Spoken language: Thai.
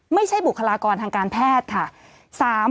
บุคลากรทางการแพทย์ค่ะ